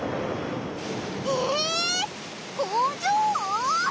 え工場！？